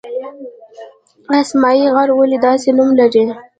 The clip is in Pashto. اسمايي غر ولې داسې نوم لري؟